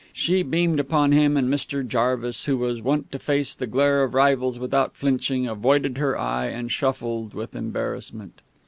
She beamed upon him, and Mr. Jarvis, who was wont to face the glare of rivals without flinching, avoided her eye and shuffled with embarrassment.